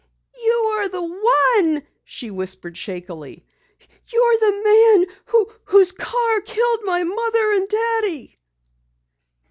"You are the one!" she whispered shakily. "You're the man whose car killed my Mother and Daddy!"